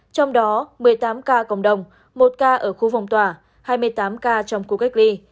trong đó một mươi tám ca cộng đồng một ca ở khu vòng tòa hai mươi tám ca trong khu cách ly